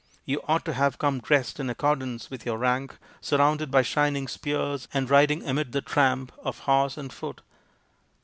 You ought to have come dressed in accord ance with your rank, surrounded by shining spears and riding amid the tramp of horse and foot.